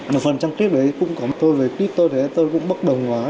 một phần trong clip đấy cũng có tôi với clip tôi tôi cũng bất đồng quá